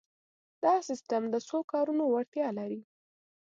دا سیسټم د څو کارونو وړتیا لري.